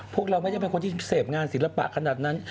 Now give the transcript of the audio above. พวกเราไม่ได้เป็นคนที่เสพงานศิลปะขนาดนั้น